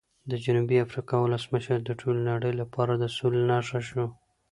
د جنوبي افریقا ولسمشر د ټولې نړۍ لپاره د سولې نښه شو.